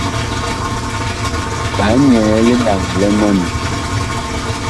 Ɓaa nyɛɛ linaŋɛ li mɔni.